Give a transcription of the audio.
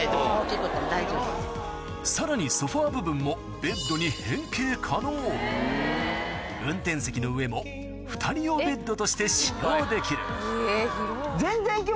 さらにソファ部分もベッドに変形可能運転席の上も２人用ベッドとして使用できるえぇ！